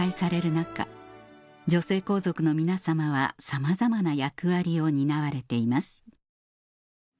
中女性皇族の皆さまはさまざまな役割を担われています